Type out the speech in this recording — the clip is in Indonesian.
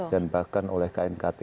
dan bahkan oleh knkt